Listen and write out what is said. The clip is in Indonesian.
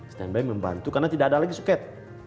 stand by membantu karena tidak ada lagi suket